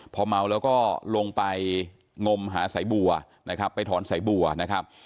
พอเมาแล้วก็ลงไปงมหาสายบัวนะครับไปถอนสายบัวนะครับ